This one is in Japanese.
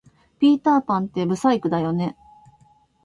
ピーターパンって不細工だよね